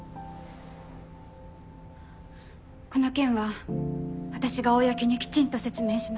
この件は私が公にきちんと説明します